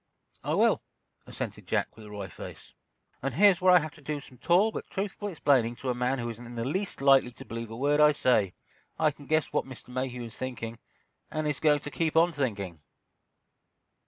"I will," assented Jack, with a wry face, "and here's where I have to do some tall but truthful explaining to a man who isn't in the least likely to believe a word I say. I can guess what Mr. Mayhew is thinking, and is going to keep on thinking!"